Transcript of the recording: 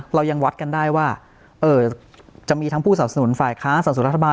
เรายังวัดกันได้ว่าจะมีทั้งผู้สนับสนุนฝ่ายค้าสับสนุนรัฐบาล